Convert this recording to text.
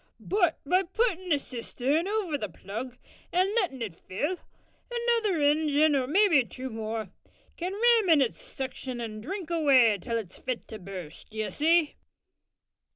But by puttin' the cistern over the plug an' lettin' it fill, another ingin or mabbe two more, can ram in its suction and drink away till it's fit to burst, d'ye see."